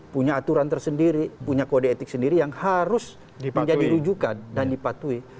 punya aturan tersendiri punya kode etik sendiri yang harus menjadi rujukan dan dipatuhi